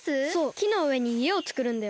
きのうえにいえをつくるんだよ。